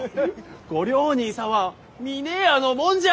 御寮人様は峰屋のもんじゃ！